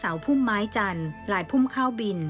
พุ่มไม้จันทร์ลายพุ่มข้าวบิน